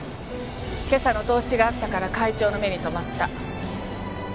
今朝の投資があったから会長の目に留まった。